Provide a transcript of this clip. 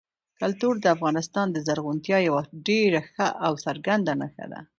کلتور د افغانستان د زرغونتیا یوه ډېره ښه او څرګنده نښه ده.